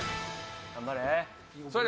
頑張れ。